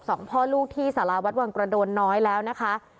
สองพ่อลูกที่สาราวัดวังกระโดนน้อยแล้วนะคะ